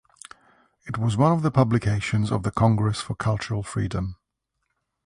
It was one of the publications of the Congress for Cultural Freedom.